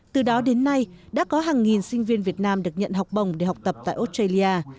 từ đó đến nay đã có hàng nghìn sinh viên việt nam được nhận học bổng để học tập tại australia